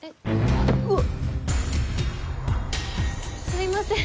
すいません